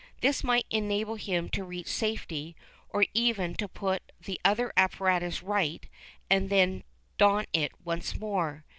This might enable him to reach safety, or even to put the other apparatus right and then don it once more.